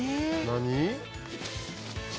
「何？」